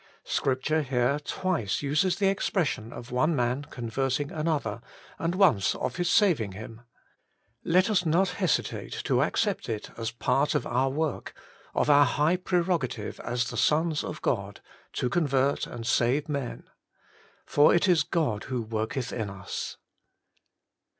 Scripture here twice uses the expression of one man converting another, and once of his saving him. Let us not hesitate to ac cept it as part of our work, of our high pre rogative as the sons of God, to convert and to save men. ' For it is God who worketh in us.'